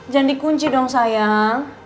jangan dikunci dong sayang